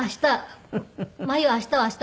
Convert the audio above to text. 明日。